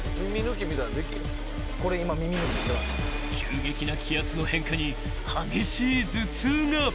［急激な気圧の変化に激しい頭痛が］